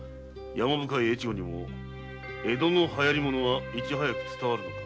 山深い越後にも江戸の流行物はいち早く伝わるのか。